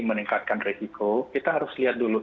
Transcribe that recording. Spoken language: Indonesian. meningkatkan resiko kita harus lihat dulu